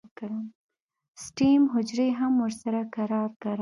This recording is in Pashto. سټیم حجرې هم ورسره کرار کرار